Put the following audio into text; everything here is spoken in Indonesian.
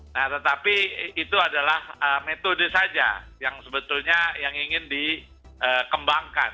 nah tetapi itu adalah metode saja yang sebetulnya yang ingin dikembangkan